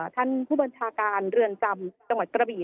ท่านผู้บัญชาการเรือนจำจังหวัดกระบี่